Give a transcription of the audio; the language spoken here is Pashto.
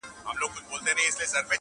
د مختلفو عواملو له مخي، وېره لري -